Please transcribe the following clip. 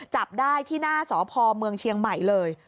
จับได้ที่หน้าสพเมืองเชียงใหม่เลย